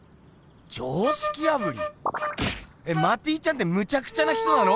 常識破り？えマティちゃんってむちゃくちゃな人なの？